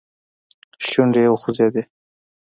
شونډي يې وخوځېدې.